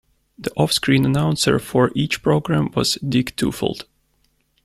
The off-screen announcer for each program was Dick Tufeld.